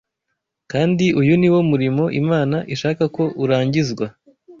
kandi uyu ni wo murimo Imana ishaka ko urangizwa